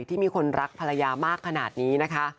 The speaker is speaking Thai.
ที่มีคนรักภรรยามากขนาดนี้นะคะ